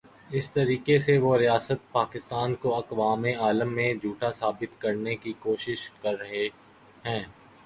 اس طریقے سے وہ ریاست پاکستان کو اقوام عالم میں جھوٹا ثابت کرنے کی کوشش کررہے ہیں۔